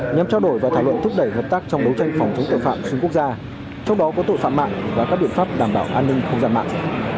nhằm trao đổi và thảo luận thúc đẩy hợp tác trong đấu tranh phòng chống tội phạm xuyên quốc gia trong đó có tội phạm mạng và các biện pháp đảm bảo an ninh không gian mạng